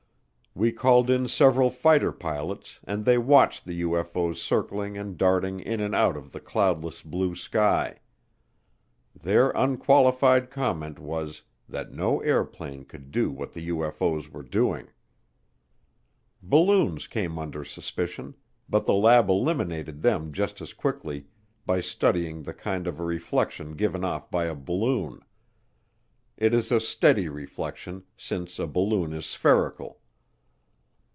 We called in several fighter pilots and they watched the UFO's circling and darting in and out in the cloudless blue sky. Their unqualified comment was that no airplane could do what the UFO's were doing. Balloons came under suspicion, but the lab eliminated them just as quickly by studying the kind of a reflection given off by a balloon it is a steady reflection since a balloon is spherical.